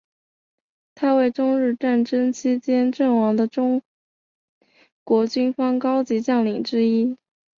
他为中日战争期间阵亡的中国军方高级将领之一。